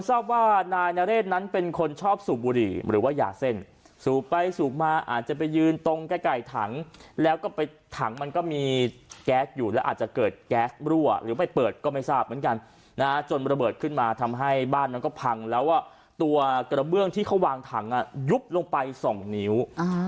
ทราบว่านายนเรศนั้นเป็นคนชอบสูบบุหรี่หรือว่ายาเส้นสูบไปสูบมาอาจจะไปยืนตรงใกล้ไก่ถังแล้วก็ไปถังมันก็มีแก๊สอยู่แล้วอาจจะเกิดแก๊สรั่วหรือไปเปิดก็ไม่ทราบเหมือนกันนะฮะจนระเบิดขึ้นมาทำให้บ้านนั้นก็พังแล้วว่าตัวกระเบื้องที่เขาวางถังยุบลงไปสองนิ้ว